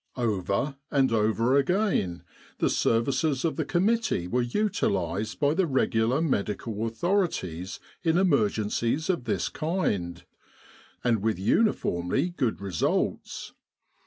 Over and over again the services of the com mittee were utilised by the regular Medical Author ities in emergencies of this kind, and with uniformly good results.